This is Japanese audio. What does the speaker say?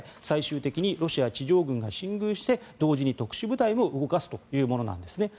最終的にロシア地上軍が進軍して同時に特殊部隊も動かすというものです。